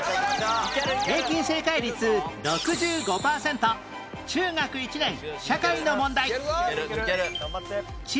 平均正解率６５パーセント中学１年社会の問題